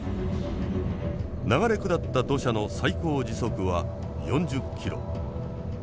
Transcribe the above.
流れ下った土砂の最高時速は４０ｋｍ。